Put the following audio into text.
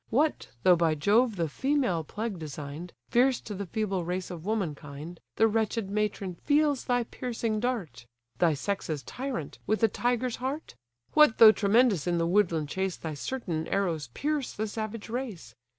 What though by Jove the female plague design'd, Fierce to the feeble race of womankind, The wretched matron feels thy piercing dart; Thy sex's tyrant, with a tiger's heart? What though tremendous in the woodland chase Thy certain arrows pierce the savage race?